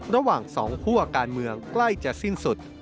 ระหว่างสองคั่วการเมืองใกล้จะสิ้นสุด